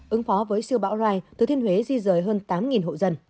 ứng phó với siêu bão rai thừa thiên huế di rời hơn tám hộ dân